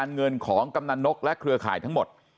เงินของกำนันนกและเครือข่ายทั้งหมด